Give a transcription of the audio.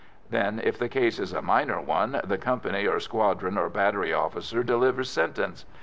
Then, if the case is a minor one, the company or squadron or battery officer delivers sentence.